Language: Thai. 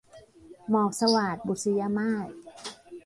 หมอกสวาท - บุษยมาส